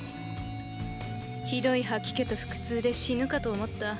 ひどい吐き気と腹痛で死ぬかと思った。